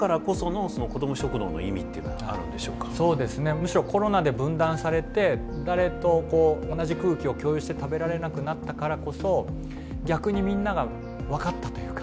むしろコロナで分断されて誰とこう同じ空気を共有して食べられなくなったからこそ逆にみんなが分かったというか。